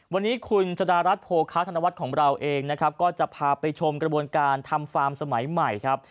วันนี้คุณชดารัฐโภคาธนวัฒน์ของเราเองนะครับก็จะพาไปชมกระบวนการทำฟาร์มสมัยใหม่ครับ